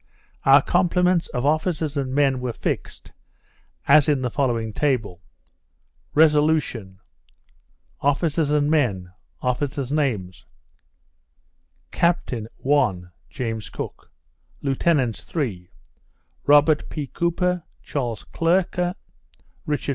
Our Complements of Officers and Men were fixed, as in the following Table. RESOLUTION Officers and Men, Officers Names Captain (1) James Cook. Lieutenants (3) Rob. P. Cooper, Charles Clerke, Richd.